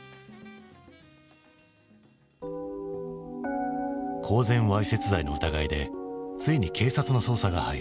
公然わいせつ罪の疑いでついに警察の捜査が入る。